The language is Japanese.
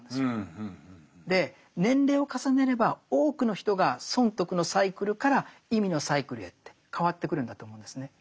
年齢を重ねれば多くの人が損得のサイクルから意味のサイクルへって変わってくるんだと思うんですね。